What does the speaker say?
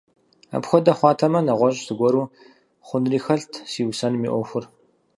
Апхуэдэу хъуатэмэ, нэгъуэщӀ зыгуэру хъунри хэлът си усэным и Ӏуэхур.